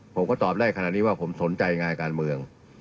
ผมก็ตอบได้ขนาดนี้ว่าผมสนใจงานการเมือง